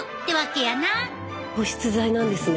保湿剤なんですね。